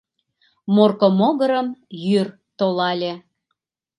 Морко могырым йӱр толале